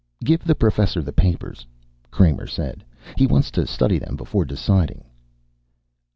"Give the Professor the papers," Kramer said. "He wants to study them before deciding."